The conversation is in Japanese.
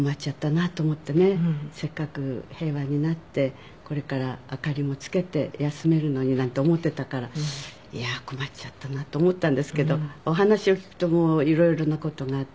せっかく平和になってこれから明かりもつけて休めるのになんて思っていたからいや困っちゃったなと思ったんですけどお話を聞くともう色々な事があって。